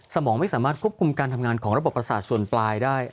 สมองไม่สามารถควบคุมการทำงานของระบบประสาทส่วนปลายได้